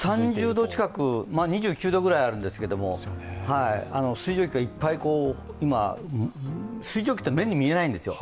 ３０度近く、２９度くらいあるんですけど、水蒸気がいっぱい今、水蒸気って目に見えないんですよ。